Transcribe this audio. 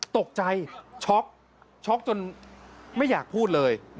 ตกใจช็อกช็อกจนไม่อยากพูดเลย